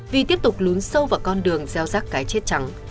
vì tiếp tục lún sâu vào con đường gieo rác cái chết trắng